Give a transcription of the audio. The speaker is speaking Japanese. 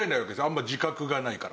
あんま自覚がないから。